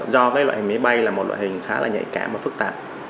do cái loại hình máy bay là một loại hình khá là nhạy cảm và phức tạp